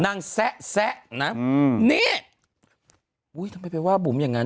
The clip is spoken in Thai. นางแซ๊ะน้ำนี่ทำไมไปว่าบุ๋มอย่างงั้น